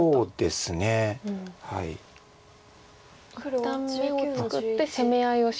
一旦眼を作って攻め合いをしっかり。